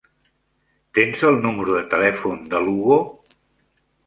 Tens el número de telèfon de l'Hugo?